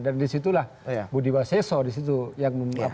dan di situlah budi waseso di situ yang punya kewenangan